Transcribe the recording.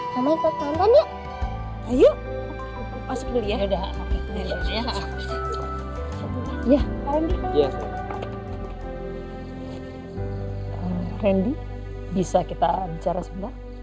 kita ngobrol disini aja ren ya